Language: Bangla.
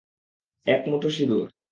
এক মুঠো সিঁদুর।